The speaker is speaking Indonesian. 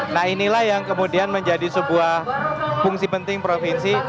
nah inilah yang kemudian menjadi sebuah fungsi penting provinsi